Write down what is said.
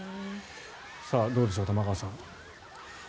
どうでしょう、玉川さん。